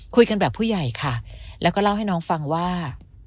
คุยกันแบบผู้ใหญ่ค่ะแล้วก็เล่าให้น้องฟังว่า